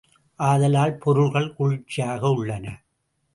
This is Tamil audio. ஆதலால் பொருள்கள் குளிர்ச்சியாக உள்ளன.